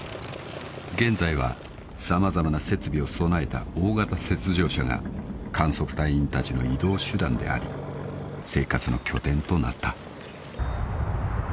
［現在は様々な設備を備えた大型雪上車が観測隊員たちの移動手段であり生活の拠点となった］